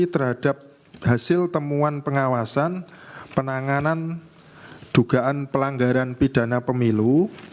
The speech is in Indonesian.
terhadap hasil temuan pengawasan penanganan dugaan pelanggaran pidana pemilu